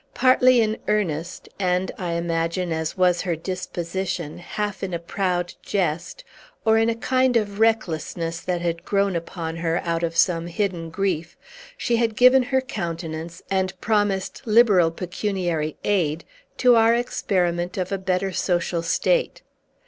Partly in earnest, and, I imagine, as was her disposition, half in a proud jest, or in a kind of recklessness that had grown upon her, out of some hidden grief, she had given her countenance, and promised liberal pecuniary aid, to our experiment of a better social state.